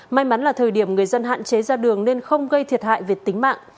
may mắn là thời điểm người dân hạn chế ra đường nên không gây thiệt hại về tính mạng